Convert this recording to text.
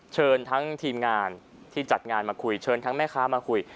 เชิญทั้งทีมงานที่จัดงานมาคุยเชิญทั้งแม่ค้ามาคุย